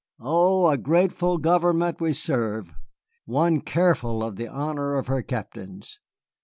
Oh, a grateful government we serve, one careful of the honor of her captains.